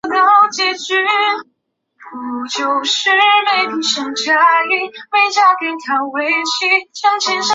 负极是由发电机与电池组的正极接地而实现的。